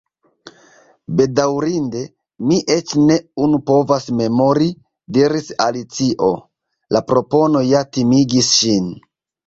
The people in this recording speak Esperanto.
"Bedaŭrinde, mi eĉ ne unu povas memori," diris Alicio. La propono ja timigis ŝin.